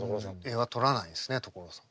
映画撮らないですね所さん。